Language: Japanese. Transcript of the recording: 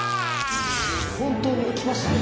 本当に起きましたね。